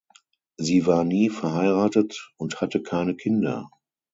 Sie war nie verheiratet und hatte keine Kinder.